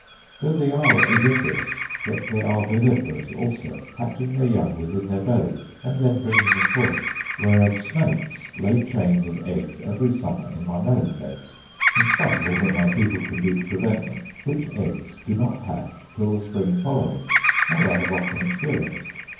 Though they are oviparous, yet they are viviparous also, hatching their young within their bellies, and then bringing them forth. Whereas snakes lay chains of eggs every summer in my melon beds, in spite of all that my people can do to prevent them; which eggs do not hatch till the spring following, as I have often experienced.